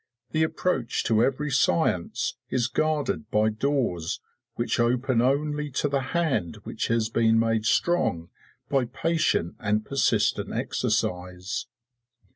The approach to every science is guarded by doors which open only to the hand which has been made strong by patient and persistent exercise.